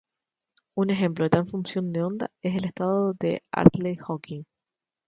Un ejemplo de tal función de onda es el estado de Hartle-Hawking.